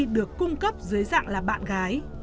được cung cấp dưới dạng là bạn gái